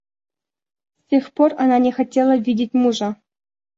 С тех пор она не хотела видеть мужа.